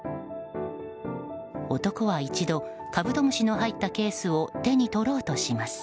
男は一度、カブトムシの入ったケースを手に取ろうとします。